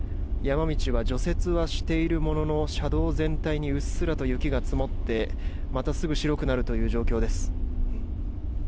山道は除雪はしているものの車道全体にうっすらと雪が積もってまたすぐ白くなるという状況です。